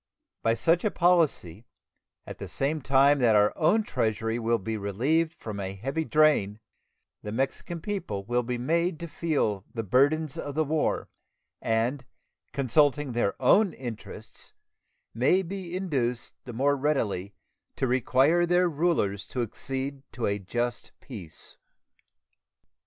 By such a policy, at the same time that our own Treasury will be relieved from a heavy drain, the Mexican people will be made to feel the burdens of the war, and, consulting their own interests, may be induced the more readily to require their rulers to accede to a just peace.